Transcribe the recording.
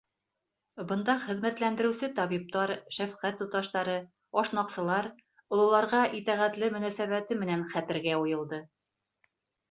Бында хеҙмәтләндереүсе табиптар, шәфҡәт туташтары, ашнаҡсылар ололарға итәғәтле мөнәсәбәте менән хәтергә уйылды.